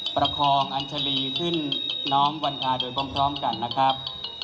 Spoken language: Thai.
ประคองอัญชรีขึ้นน้อมวันอ่าโดยพร้อมพร้อมกันนะครับ